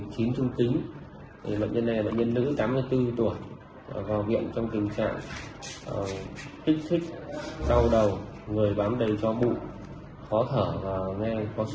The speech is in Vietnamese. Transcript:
tại thời điểm nhập viện cụ ba du tình nhưng tình trạng kích thích khó thở chỉ nói được từng chữ một phổi xít hai bên spo hai chín mươi năm